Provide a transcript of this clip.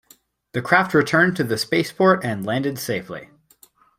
The craft returned to the spaceport and landed safely.